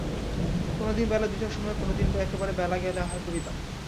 কোনোদিন বেলা দুইটার সময়ে, কোনোদিন বা একেবারে বেলা গেলে আহার করিতাম।